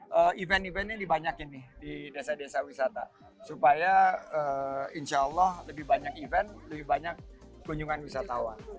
dan event eventnya dibanyakin nih di desa desa wisata supaya insya allah lebih banyak event lebih banyak kunjungan wisatawan